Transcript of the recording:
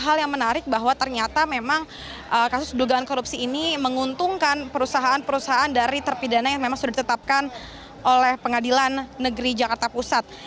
hal yang menarik bahwa ternyata memang kasus dugaan korupsi ini menguntungkan perusahaan perusahaan dari terpidana yang memang sudah ditetapkan oleh pengadilan negeri jakarta pusat